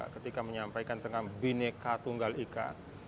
ketika menyampaikan tentang bineka tunggal ika